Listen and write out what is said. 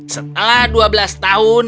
setelah dua belas tahun